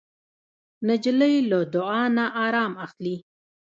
نجلۍ له دعا نه ارام اخلي.